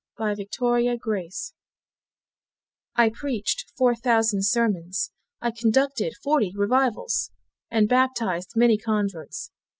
Rev. Lemuel Wiley I preached four thousand sermons, I conducted forty revivals, And baptized many converts.